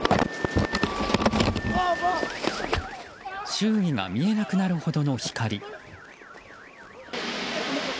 周囲が見えなくなるほどの光。